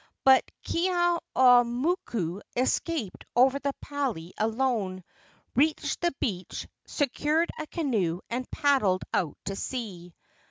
But Keeaumoku escaped over the pali alone, reached the beach, secured a canoe and paddled out to sea.